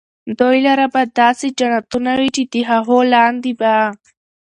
دوى لره به داسي جنتونه وي چي د هغو لاندي به